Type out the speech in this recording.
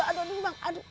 aduh aduh aduh